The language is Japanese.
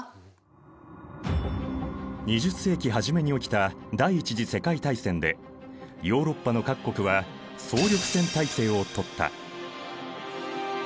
２０世紀初めに起きた第一次世界大戦でヨーロッパの各国は総力戦体制をとった。